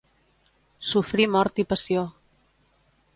Sofrir mort i passió.